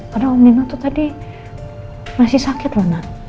padahal om nino tuh tadi masih sakit ma